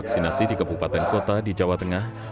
kabupaten kota jawa tengah